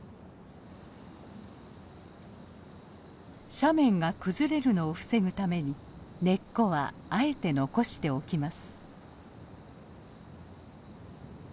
斜面が崩れるのを防ぐために根っこはあえて残しておきます。